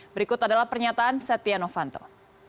berikut adalah pernyataan setia novanto